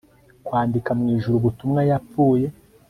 Kwandika mwijuru ubutumwa Yapfuye